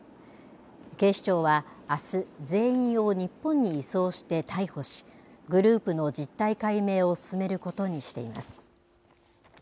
警視庁は、あす、全員を日本に移送して逮捕し、グループの実態解明を進めることにしています。